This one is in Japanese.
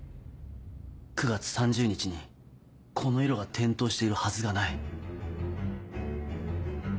９月３０日にこの色が点灯しているはずがない。